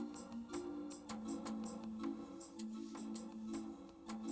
tapi pasti fatima bayar kok